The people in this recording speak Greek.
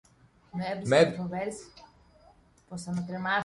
μ' έβρισε και με φοβέρισε πως θα με κρεμάσει